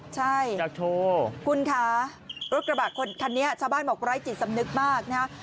ใช่คุณค่ะรถกระบาดคันนี้ชาวบ้านหมกไร้จิตสำนึกมากนะฮะ